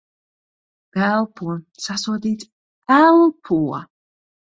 Elpo. Sasodīts. Elpo!